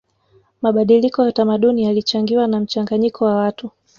mabadiliko ya utamaduni yalichangiwa na mchanganyiko wa watu